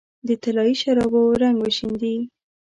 د طلايي شرابو رنګ وشیندې